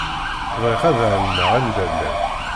Bɣiɣ ad εelmeɣ anda llan.